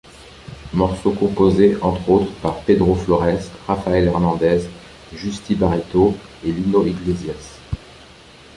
Morceaux composés entre autres par Pedro Flores, Rafael Hernandez, Justi Barreto et Lino Iglesias.